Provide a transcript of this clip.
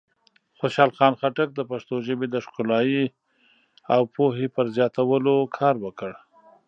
خوشحال خان خټک د پښتو ژبې د ښکلایۍ او پوهې پر زیاتولو کار وکړ.